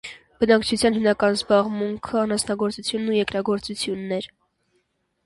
Բնակչության հիմնական զբաղմունքը անասնագործությունն ու երկրագործությունն էր։